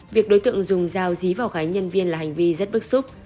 việc đối tượng dùng dao dí vào gái nhân viên là hành vi rất bức xúc